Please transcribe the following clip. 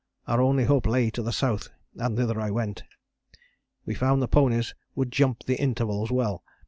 Our only hope lay to the south, and thither I went. We found the ponies would jump the intervals well.